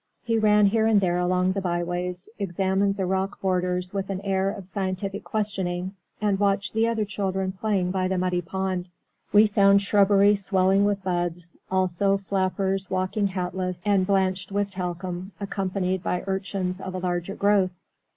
He ran here and there along the byways, examined the rock borders with an air of scientific questioning, and watched the other children playing by the muddy pond. We found shrubbery swelling with buds, also flappers walking hatless and blanched with talcum, accompanied by Urchins of a larger growth.